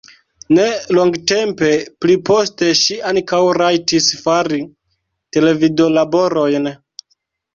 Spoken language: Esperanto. Ne longtempe pliposte ŝi ankaŭ rajtis fari televidolaborojn.